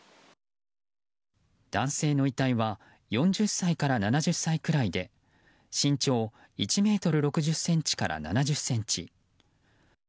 男性の遺体は４０歳から７０歳くらいで身長１ｍ６０ｃｍから７０ｃｍ。